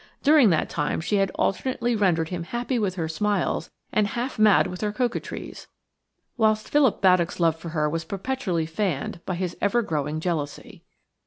During that time she had alternately rendered him happy with her smiles and half mad with her coquetries, whilst Philip Baddock's love for her was perpetually fanned by his ever growing jealousy.